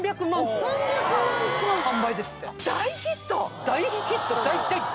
大ヒット。